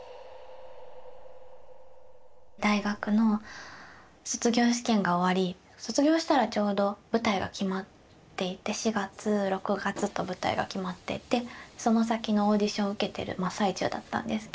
大学の卒業試験が終わり卒業したらちょうど舞台が決まっていて４月６月と舞台が決まっていてその先のオーディションを受けてる真っ最中だったんですけど